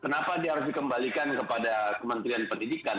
kenapa dia harus dikembalikan kepada kementerian pendidikan